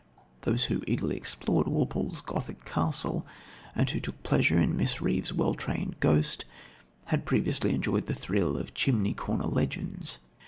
Those who eagerly explored Walpole's Gothic castle and who took pleasure in Miss Reeve's well trained ghost, had previously enjoyed the thrill of chimney corner legends.